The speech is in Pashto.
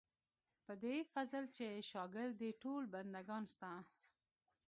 په دې فضل دې شاګر دي ټول بندګان ستا.